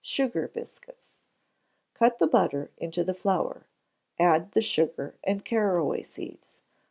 Sugar Biscuits. Cut the butter into the flour. Add the sugar and caraway seeds.